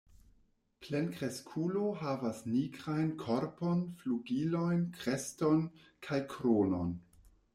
Plenkreskulo havas nigrajn korpon, flugilojn, kreston kaj kronon.